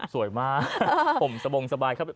สวยมากผมสบงสบายครับ